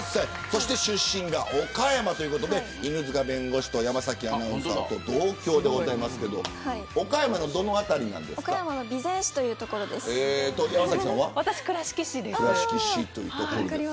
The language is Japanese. そして出身が岡山ということで犬塚弁護士と山崎アナウンサーと同郷でございますけど備前市という所です。